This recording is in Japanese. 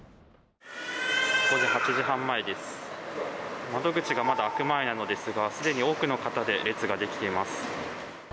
午前８時半前窓口が開く前ですがすでに多くの方で列ができています。